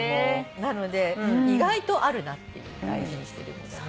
なので意外とあるなっていう大事にしてるもの。